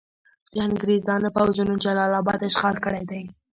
د انګریزانو پوځونو جلال اباد اشغال کړی دی.